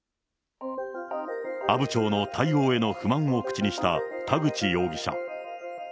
阿武町の対応への不満を口にした田口容疑者。